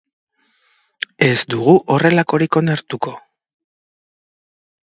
Ez dugu horrelakorik onartuko.